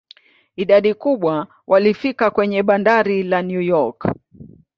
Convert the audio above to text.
Idadi kubwa walifika kwenye bandari la New York.